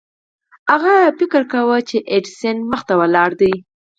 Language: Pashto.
هغه تصور کاوه چې د ايډېسن مخې ته ولاړ دی.